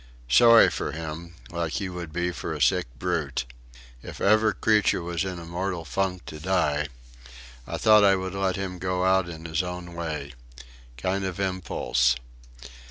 Sorry for him like you would be for a sick brute. If ever creature was in a mortal funk to die!... I thought I would let him go out in his own way. Kind of impulse.